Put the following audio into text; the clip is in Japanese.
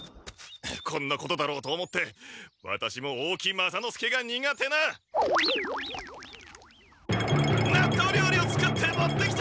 こんなことだろうと思ってワタシも大木雅之助が苦手ななっとうりょうりを作って持ってきた！